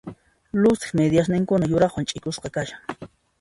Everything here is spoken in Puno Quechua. Luciq midiasninkuna yuraqwan ch'ikusqa kashan.